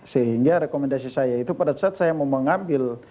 sehingga rekomendasi saya itu pada saat saya mau mengambil